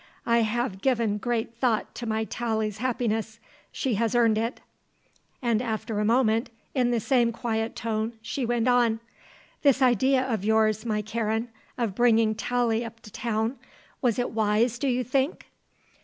I have given great thought to my Tallie's happiness. She has earned it." And after a moment, in the same quiet tone, she went on. "This idea of yours, my Karen, of bringing Tallie up to town; was it wise, do you think?"